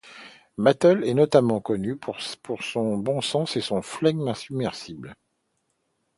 Battle est notamment connu pour son bon sens et son flegme insubmersible.